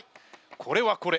これはこれ。